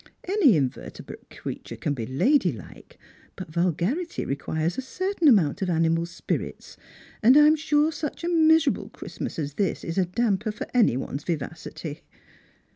Any inverte brate creature can be ladylike, but vulgarity requires a certain amount of animal spirits; and I am sure such a miserable Christmas as this is a damper for any one's vivacity."